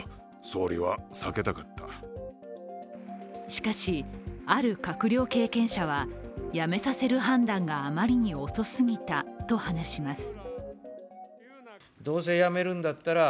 しかし、ある閣僚経験者は辞めさせる判断があまりに遅すぎたと話します。